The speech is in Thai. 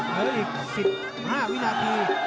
เห้ยอีกสิบห้าวินาที